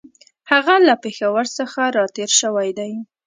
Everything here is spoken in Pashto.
هغه له پېښور څخه را تېر شوی دی.